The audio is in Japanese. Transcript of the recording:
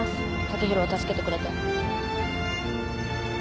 剛洋を助けてくれて。